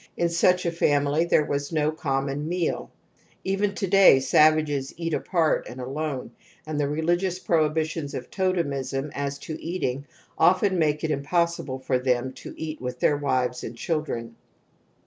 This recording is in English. In such a family there was no conunon im Even to day savages eat apart and alone, and i the religious prohibitions of totemism as to| eating often make it impossible for them to eal with their wives and children.